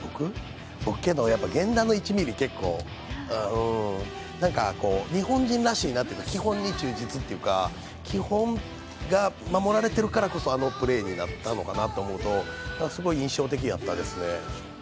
やっぱり源田の１ミリ結構、日本人らしいなというか、基本に忠実というか、基本が守られているからこそ、あのプレーになったのかなと思うとすごい印象的やったですね。